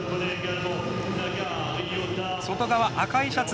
外側赤いシャツ